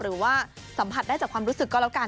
หรือว่าสัมผัสได้จากความรู้สึกก็แล้วกัน